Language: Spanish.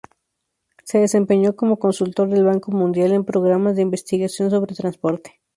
Se desempeñó como Consultor del Banco Mundial en programas de investigación sobre transporte.